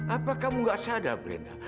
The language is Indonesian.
apa kamu gak sadar brina